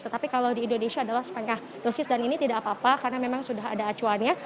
tetapi kalau di indonesia adalah setengah dosis dan ini tidak apa apa karena memang sudah ada acuannya